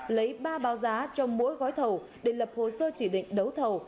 lấy ba báo giá cho mỗi gói thầu để lập hồ sơ chỉ định đấu thầu